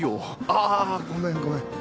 ああっごめんごめん。